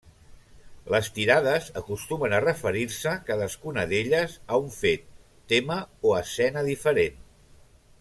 Les tirades acostumen a referir-se cadascuna d'elles a un fet, tema o escena diferent.